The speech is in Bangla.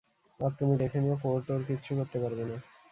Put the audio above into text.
আর তুমি দেখে নিও, কোর্ট ওর কিচ্ছু করতে পারবে না।